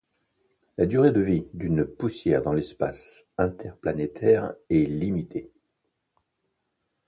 La durée de vie d'une poussière dans l'espace interplanétaire est limitée.